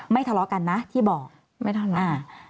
ไม่ทะเลากันนะที่บอกไม่ทะเล